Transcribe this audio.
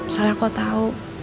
soalnya aku tau